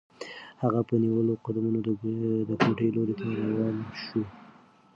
هغه په نیولو قدمونو د کوټې لوري ته روانه شوه.